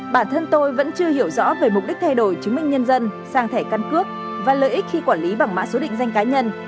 bản thân tôi vẫn chưa hiểu rõ về mục đích thay đổi chứng minh nhân dân sang thẻ căn cước và lợi ích khi quản lý bằng mã số định danh cá nhân